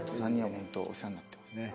本当お世話になってます。